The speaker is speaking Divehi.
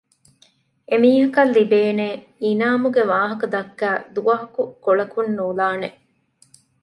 އެ މީހަކަށްލިބޭނޭ އިނާމުގެވާހަކަ ދައްކައި ދުވަހަކު ކޮޅަކުންނުލާނެ